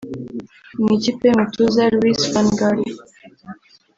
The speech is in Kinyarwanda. Mu ikipe y’umutoza Luis Van Gaal